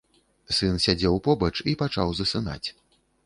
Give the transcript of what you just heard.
Сын сядзеў побач і пачаў засынаць.